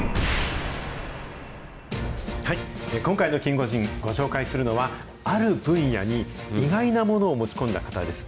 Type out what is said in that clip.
今回のキンゴジン、ご紹介するのは、ある分野に意外なものを持ち込んだ方です。